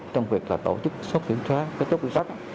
trong việc tổ chức sốt kiểm tra kết thúc quy tắc